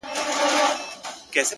هر اندام یې د ښکلا په تول تللی،